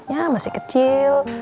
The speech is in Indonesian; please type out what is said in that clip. ya masih kecil